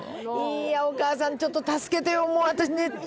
いやおかあさんちょっと助けてよ。